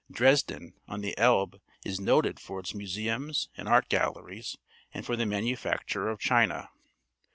Dresden, on the Elbe, is noted for its museums and art galleries and for the manufacture of china.